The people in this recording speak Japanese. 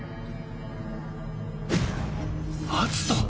篤斗！